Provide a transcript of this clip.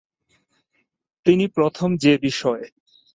তিনি প্রথম যে বিষয়